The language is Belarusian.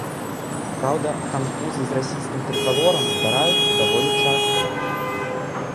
Праўда, канфузы з расійскім трыкалорам здараюцца даволі часта.